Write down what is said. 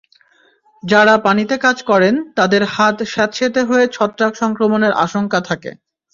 যাঁরা পানিতে কাজ করেন তাঁদের হাত স্যাঁতসেঁতে হয়ে ছত্রাক সংক্রমণের আশঙ্কা থাকে।